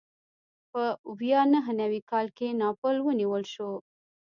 په ویا نهه نوي کال کې ناپل ونیول شو.